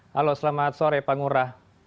halo selamat sore pangurah